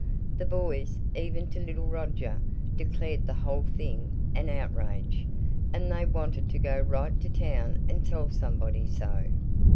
The boys, even to little Roger, declared the whole thing an outrage, and they wanted to go right to town and tell somebody so.